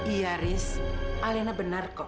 iya ris alena benar kok